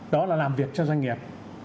đó là làm việc cho doanh nghiệp